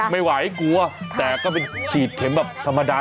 ไม่ไหวกลัวแต่ก็เป็นฉีดเข็มแบบธรรมดา